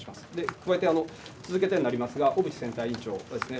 加えて、続けてになりますが、小渕選対委員長ですね。